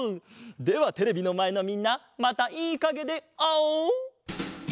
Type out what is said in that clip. ではテレビのまえのみんなまたいいかげであおう！